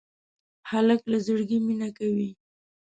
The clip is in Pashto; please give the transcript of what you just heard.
هلک له زړګي مینه کوي.